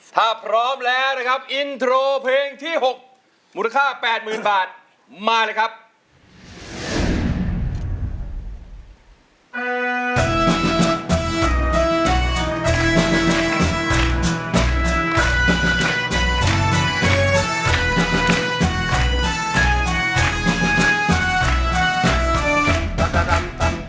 ถ้าพร้อมแล้วนะครับอินโทรเพลงที่๖มูลค่า๘๐๐๐บาทมาเลยครับ